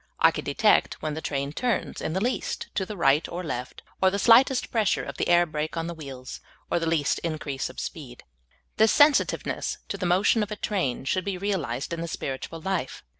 I can detect when the train turns in the least to the right or left, or the slightest pressure of the air brake on the wheels, or the least increase of vSpeed. This sensitiveness to the motion of a train should be realized in the spiritual life.